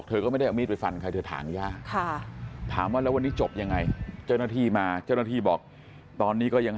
เธอก็ไม่ได้เอามีดไปฟันใครเธอถามอย่างยั้ง